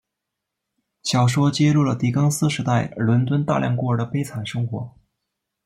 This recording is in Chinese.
小说揭露了狄更斯时代伦敦大量孤儿的悲惨生活。